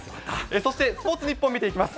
そしてスポーツニッポン見ていきます。